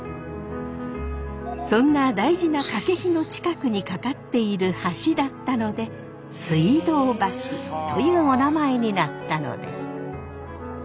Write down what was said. そんな大事な掛の近くにかかっている橋だったので水道橋というおなまえになったのです。